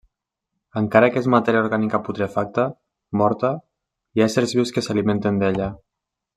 Encara que és matèria orgànica putrefacta, morta, hi ha éssers vius que s'alimenten d'ella.